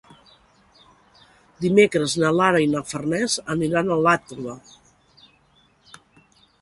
Dimecres na Lara i na Farners aniran a Iàtova.